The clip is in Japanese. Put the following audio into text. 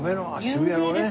渋谷のね。